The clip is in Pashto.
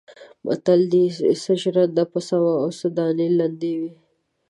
متل دی: څه ژرنده پڅه وه او څه دانې لندې وې.